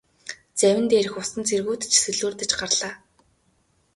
Завин дээрх усан цэргүүд ч сэлүүрдэж гарлаа.